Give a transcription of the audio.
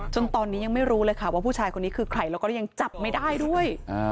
จนตอนนี้ยังไม่รู้เลยค่ะว่าผู้ชายคนนี้คือใครแล้วก็ยังจับไม่ได้ด้วย